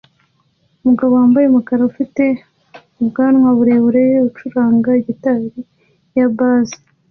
Umugabo wambaye umukara ufite ubwanwa burebure acuranga gitari ya bass